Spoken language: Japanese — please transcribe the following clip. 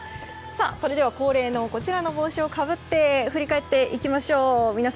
それでは、恒例のこちらの帽子をかぶって振り返っていきましょう。